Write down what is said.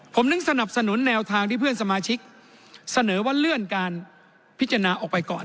ผมถึงสนับสนุนแนวทางที่เพื่อนสมาชิกเสนอว่าเลื่อนการพิจารณาออกไปก่อน